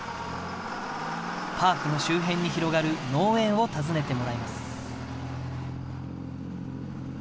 パークの周辺に広がる農園を訪ねてもらいます。